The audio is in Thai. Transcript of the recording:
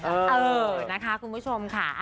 เออนะคะคุณผู้ชมค่ะ